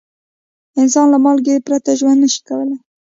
انسان له مالګې پرته ژوند نه شي کولای.